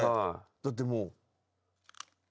だってもう。